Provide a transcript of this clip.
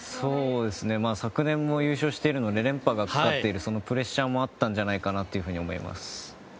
昨年も優勝しているので連覇がかかっているプレッシャーもあったんじゃないかと思います。